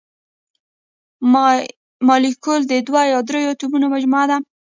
مالیکول د دوه یا ډیرو اتومونو مجموعه ده.